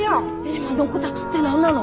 今の子だぢって何なの？